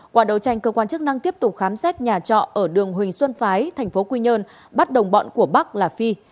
qua đấu tranh cơ quan chức năng tiếp tục khám xét nhà trọ ở đường huỳnh xuân phái thành phố quy nhơn bắt đồng bọn của bắc là phi